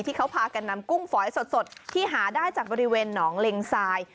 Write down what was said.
ที่เขาพากันนำกุ้งฝอยสดที่หาได้จากบริเวณหนองเล็งทราย